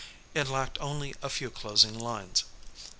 It lacked only a few closing lines.